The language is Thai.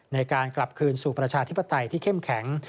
ในการกลับคืนสู่ประชาธิปไตยที่เข้มแข็ง